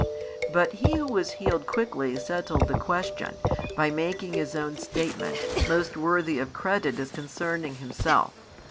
But he who was healed quickly settled the question, by making his own statement, most worthy of credit as concerning himself.